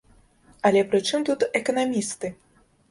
Але прычым тут эканамісты?